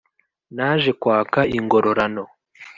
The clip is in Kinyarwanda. naje kwaka ingororano.